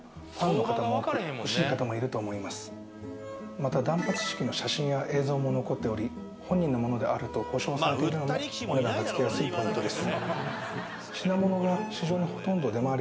また断髪式の写真や映像も残っており本人のものであると保証されているのもお値段が付きやすいポイントです。